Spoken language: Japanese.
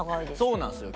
そうなんですよ。